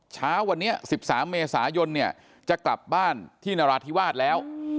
เช้าวันนี้๑๓เมษายนเนี่ยจะกลับบ้านที่นราธิวาสแล้ว